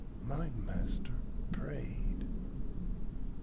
My master prayed!